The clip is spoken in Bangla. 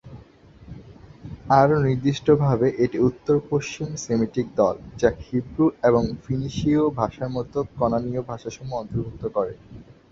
আরো নির্দিষ্টভাবে, এটি উত্তর-পশ্চিম সেমিটিক দল, যা হিব্রু এবং ফিনিশীয় ভাষার মত কনানীয় ভাষাসমূহ অন্তর্ভুক্ত করে।